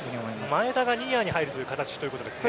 前田がニアに入る形ということですね。